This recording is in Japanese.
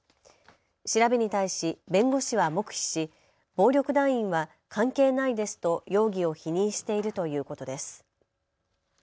調べに対し弁護士は黙秘し暴力団員は関係ないですと容疑を否認しているということです。